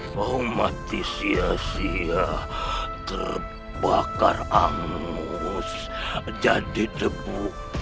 kau mati sia sia terbakar angus jadi debu